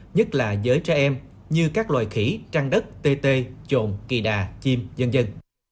nhất là giới trẻ em như các loài khỉ trăng đất tê tê trộn kỳ đà chim dân dân